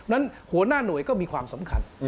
หัวหน้าหน่วยก็มีความสำคัญ